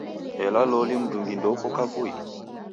Ela loli mndungi ndeuko kavui?